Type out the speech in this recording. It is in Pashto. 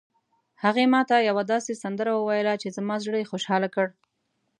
هغې ما ته یوه داسې سندره وویله چې زما زړه یې خوشحال کړ